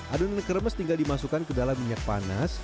adonan keremes tinggal dimasukkan ke dalam minyak panas